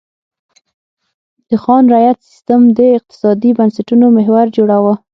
د خان رعیت سیستم د اقتصادي بنسټونو محور جوړاوه.